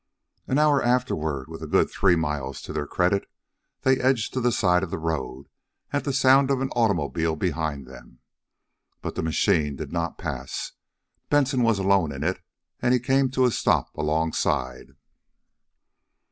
An hour afterward, with a good three miles to their credit, they edged to the side of the road at the sound of an automobile behind them. But the machine did not pass. Benson was alone in it, and he came to a stop alongside.